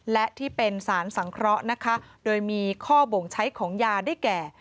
และที่เป็นสารสังเคราะห์นะคะโดยมีข้อบ่งใช้ของยาได้แก่